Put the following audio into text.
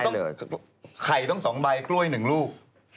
ไข่ต้อง๒ใบกล้วย๑ลูก